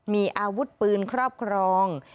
มีอาวุธปืนครอบครอง